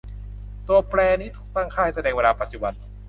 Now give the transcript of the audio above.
ตัวแปรนี้ถูกตั้งค่าให้แสดงเวลาปัจจุบัน